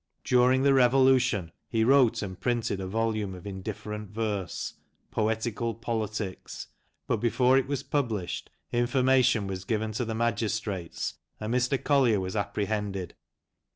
During the Revolution he wrote and printed a volume of indifferent verse, " Poetical Politics," but before it was published, information was given to the magistrates, and Mr. Collier was apprehended.